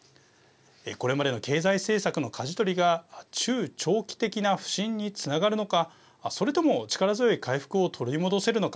これまでの経済政策のかじ取りが中長期的な不振につながるのかそれとも力強い回復を取り戻せるのか。